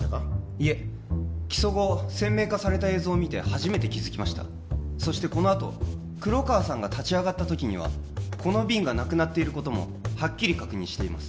いえ起訴後鮮明化された映像を見て初めて気づきましたそしてこのあと黒川さんが立ち上がったときにはこの瓶がなくなっていることもハッキリ確認しています